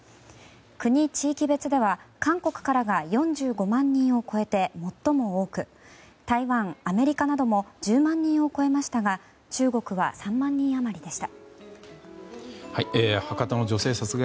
国・地域別では韓国からが４５万人を超えて最も多く台湾、アメリカなども１０万人を超えましたが中国は３万人余りでした。